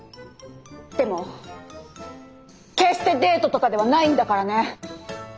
でも決してデートとかではないんだからね。